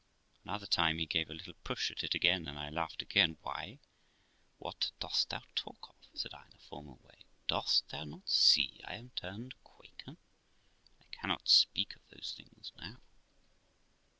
Another time he gave 330 THE LIFE OF ROXANA a little push at it again, and I laughed again. 'Why, what dost thou talk of?' said I in a formal way. 'Dost thou not see I am turned Quaker? I cannot speak of those things now.'